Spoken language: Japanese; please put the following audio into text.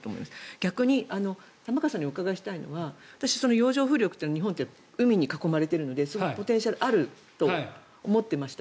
逆に、玉川さんにお伺いしたいのは洋上風力って日本は海に囲まれているのでポテンシャルがあると思っていました。